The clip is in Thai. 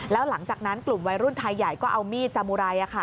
แล้วหลังจากนั้นกลุ่มวัยรุ่นไทยใหญ่ก็เอามีดสามุไร